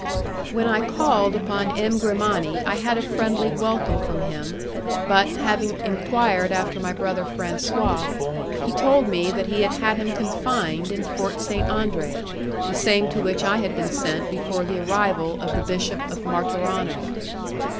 When I called upon M. Grimani I had a friendly welcome from him, but, having enquired after my brother Francois, he told me that he had had him confined in Fort Saint Andre, the same to which I had been sent before the arrival of the Bishop of Martorano.